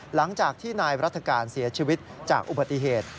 หลังจากที่นายรัฐกาลเสียชีวิตจากอุบัติเหตุ